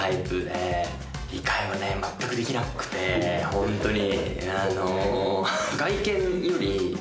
ホントに。